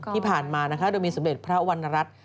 ที่ผ่านมานะคะโดยมีสมเด็จพระวรรณรัฐ